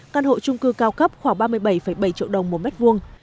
căn hộ trung cư cao cấp khoảng ba mươi bảy bảy triệu đồng một mét vuông